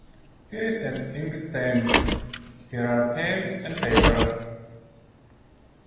Here is an inkstand, here are pens and paper.